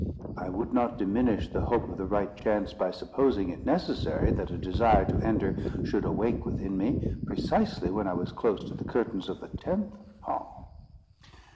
I would not diminish the hope of the right chance, by supposing it necessary that a desire to enter should awake within me, precisely when I was close to the curtains of the tenth hall.